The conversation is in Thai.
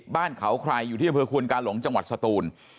บ้านเขาใครอยู่ที่อำเภอควนกาหลงจังหวัดสตูน